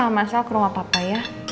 ma nanti aku sama sama ke rumah papa ya